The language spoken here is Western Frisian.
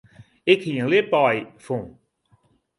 Ik hie in ljipaai fûn.